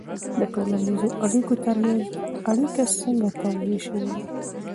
د ټولنیزو اړیکو ترمنځ اړیکه څنګه توضیح سوې ده؟